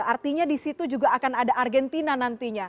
artinya di situ juga akan ada argentina nantinya